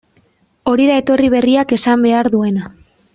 Hori da etorri berriak esan behar duena.